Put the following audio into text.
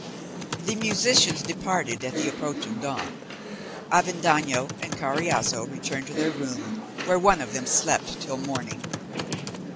The musicians departed at the approach of dawn. Avendaño and Carriazo returned to their room, where one of them slept till morning.